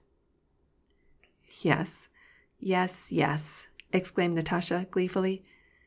Yes, yes, yes," exclaimed Natasha gleefully.